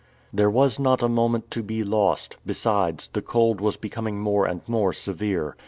There was not a moment to be lost; besides, the cold was becoming more and more severe.